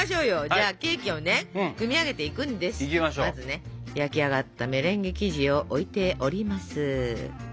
じゃあケーキを組み上げていくんですけどまずね焼き上がったメレンゲ生地を置いております。